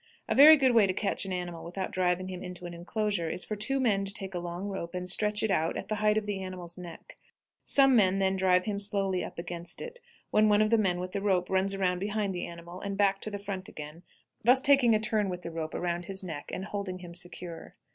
A very good way to catch an animal without driving him into an inclosure is for two men to take a long rope and stretch it out at the height of the animal's neck; some men then drive him slowly up against it, when one of the men with the rope runs around behind the animal and back to the front again, thus taking a turn with the rope around his neck and holding him secure.